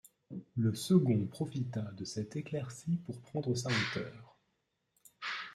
Le second profita de cette éclaircie pour prendre sa hauteur.